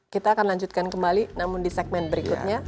kita akan lanjutkan kembali namun di segmen berikutnya